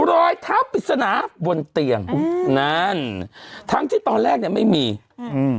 รอยเท้าปริศนาบนเตียงอืมนั่นทั้งที่ตอนแรกเนี้ยไม่มีอืม